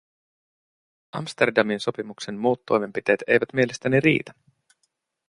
Amsterdamin sopimuksen muut toimenpiteet eivät mielestäni riitä.